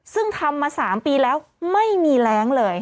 ซึ่งทำมา๓ปีแล้วไม่มีแรงเลย